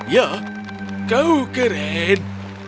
ya kau keren